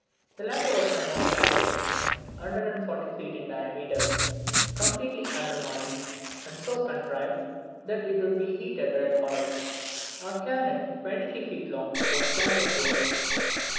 The latter was somewhat flattened, (140 feet in diameter), completely undermined, and so contrived, that it could be heated red hot. A cannon, twenty three feet long, was planted here.